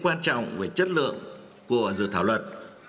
quan trọng về chất lượng của dự thảo luật